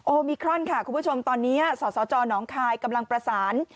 มิครอนค่ะคุณผู้ชมตอนนี้สสจหนองคายกำลังประสาน